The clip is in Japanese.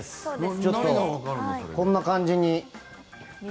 ちょっとこんな感じに。